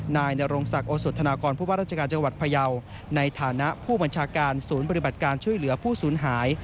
นายนรงศักดิ์โอสธนากรผู้ว่าราชการจังหวัดพยาวในฐานะผู้บัญชาการศูนย์ปฏิบัติการช่วยเหลือผู้สูญหาย